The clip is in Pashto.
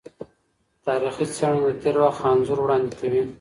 تاریخي څېړنه د تېر وخت انځور وړاندي کوي.